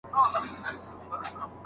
د حج په مابينځ کي مي خپله کيسې ولیکلې.